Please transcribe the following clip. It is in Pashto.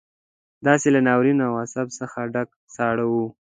داسې له ناورين او غضب څخه ډک ساړه وو.